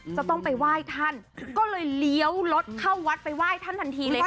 จะต้องไปไหว้ท่านก็เลยเลี้ยวรถเข้าวัดไปไหว้ท่านทันทีเลยค่ะ